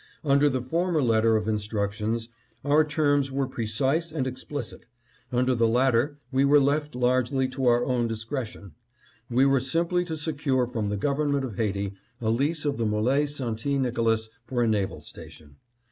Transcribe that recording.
Under the former letter of instructions, our terms were precise and explicit ; under the latter we were left largely to our own dis cretion : we were simply to secure from the government of Haiti a lease of the Mole St. Nicolas for a naval station.